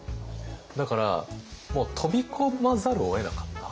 だからもう飛び込まざるをえなかった。